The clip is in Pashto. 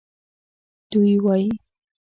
دوی وایي